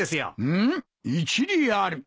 うん一理ある。